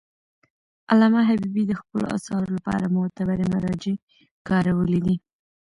علامه حبیبي د خپلو اثارو لپاره معتبري مراجع کارولي دي.